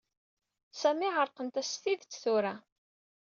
Sami ɛerqent-as s tidet tura.